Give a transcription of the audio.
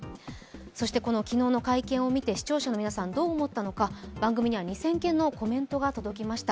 そしてこの昨日の会見を見て視聴者の皆さんはどう思ったのか番組には２０００件のコメントが届きました。